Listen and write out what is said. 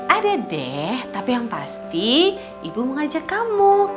ada deh tapi yang pasti ibu mau ngajak kamu